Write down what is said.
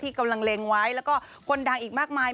กำลังเล็งไว้แล้วก็คนดังอีกมากมาย